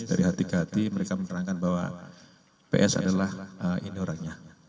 dari hati ke hati mereka menerangkan bahwa ps adalah ini orangnya